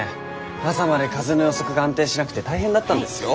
朝まで風の予測が安定しなくて大変だったんですよ。